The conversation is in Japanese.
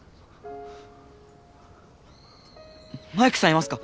マイクさんいますか？